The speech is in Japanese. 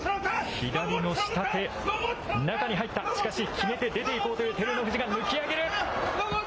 左の下手、中に入った、しかし、決めて出ていこうという照ノ富士が抜き上げる。